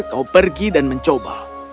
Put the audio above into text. kau pergi dan mencoba